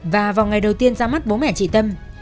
và vào ngày đầu tiên ra mắt bố mẹ chị tâm